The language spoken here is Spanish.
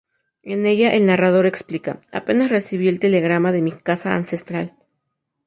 En ella el narrador explica, "apenas recibí el un telegrama de mi casa ancestral.